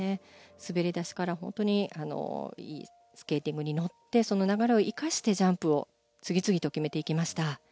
滑り出しから本当にいいスケーティングに乗ってその流れを生かしてジャンプを次々と決めていきました。